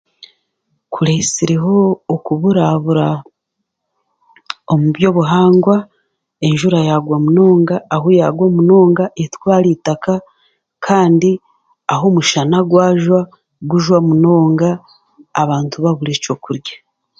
Kuretsireho okuburabura omu by'obuhangwa enjuura yagwa munonga ahu yagwa munonga etwaara eitaka kandi ahu omushana gwajwa gugwa munonga kandi abantu baburwa ekyokurya.